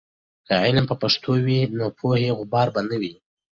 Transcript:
که علم په پښتو وي، نو د پوهې غبار به نه وي.